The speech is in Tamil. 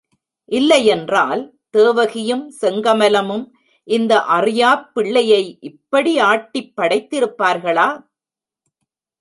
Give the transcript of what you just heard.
இல்லையென்றால், தேவகியும் செங்கமலமும் இந்த அறியாப் பிள்ளை யை இப்படி ஆட்டிப் படைத்திருப்பார்களா?